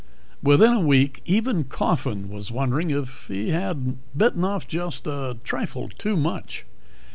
Within a week even Coffin was wondering if he had bitten off just a trifle too much.